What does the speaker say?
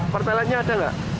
pertalaitnya ada nggak